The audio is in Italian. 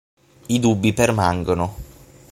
I dubbi permangono.